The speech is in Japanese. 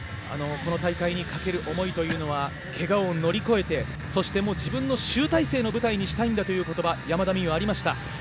この大会にかける思いは怪我を乗り越えてそして、自分の集大成の舞台にしたいんだという言葉が山田美諭はありました。